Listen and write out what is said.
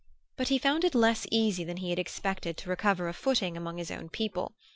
But he found it less easy than he had expected to recover a footing among his own people.